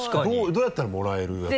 どうやったらもらえるやつ？